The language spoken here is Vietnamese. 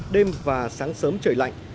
đêm và sáng sớm trời lạnh